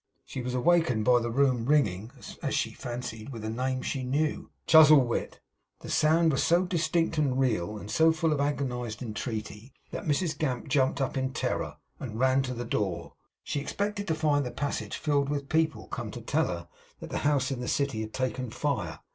She was awakened by the room ringing (as she fancied) with a name she knew: 'Chuzzlewit!' The sound was so distinct and real, and so full of agonised entreaty, that Mrs Gamp jumped up in terror, and ran to the door. She expected to find the passage filled with people, come to tell her that the house in the city had taken fire.